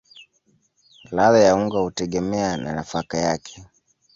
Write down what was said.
Ladha ya unga hutegemea na nafaka yake.